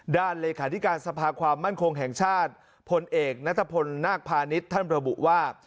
ด้านเลยค่ะธิการสภาความมั่นคงแห่งชาติผลเอกณนาคพาณิชย์ท่านพระบุว่า